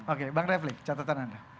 oke bang refli catatan anda